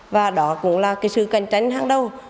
và đó cũng là sự cạnh tranh hàng đầu